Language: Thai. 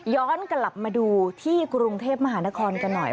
ย้อนกลับมาดูที่กรุงเทพมหานครกันหน่อย